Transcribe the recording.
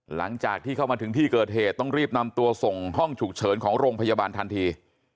หลังจากที่เข้ามาถึงที่เกิดเหตุต้องรีบนำตัวส่งห้องฉุกเฉินของโรงพยาบาลทันที